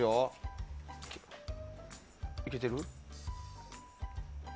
いけてる？